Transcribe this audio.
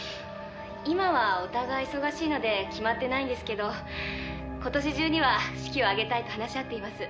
「今はお互い忙しいので決まってないんですけど今年中には式を挙げたいと話し合っています」